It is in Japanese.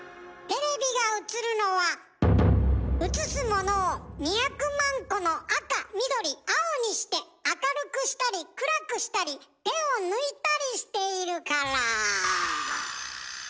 テレビが映るのは映すものを２００万個の赤緑青にして明るくしたり暗くしたり手を抜いたりしているから。